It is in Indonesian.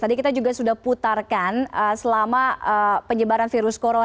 tadi kita juga sudah putarkan selama penyebaran virus corona